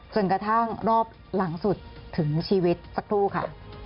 กระทั่งรอบหลังสุดถึงชีวิตสักครู่ค่ะ